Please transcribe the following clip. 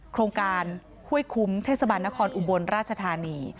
โครงการห้วยคุ้มเทศบาลนครอุบลราชธานี